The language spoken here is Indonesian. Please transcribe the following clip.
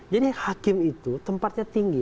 jadi hakim itu tempatnya tinggi